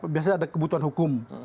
biasanya ada kebutuhan hukum